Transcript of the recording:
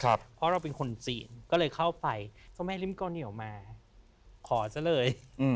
เพราะเราเป็นคนจีนก็เลยเข้าไปเจ้าแม่ริมก็เหนียวมาขอซะเลย